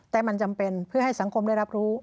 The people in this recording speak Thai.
แต่มันจำเป็นเพื่อให้สังคมได้รับรู้